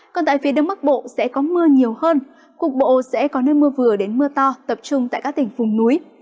còn tại phía đông bắc bộ sẽ có mưa nhiều hơn cục bộ sẽ có nơi mưa vừa đến mưa to tập trung tại các tỉnh vùng núi